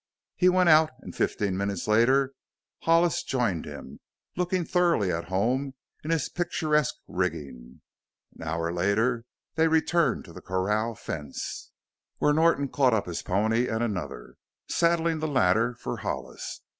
He went out and fifteen minutes later Hollis joined him, looking thoroughly at home in his picturesque rigging. An hour later they returned to the corral fence, where Norton caught up his pony and another, saddling the latter for Hollis.